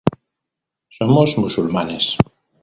Somos musulmanes.